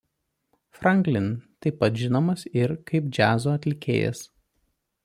Franklin taip pat žinomas ir kaip džiazo atlikėjas.